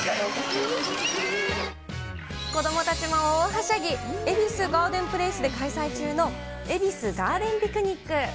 子どもたちも大はしゃぎ、恵比寿ガーデンプレイスで開催中の、恵比寿ガーデンピクニック。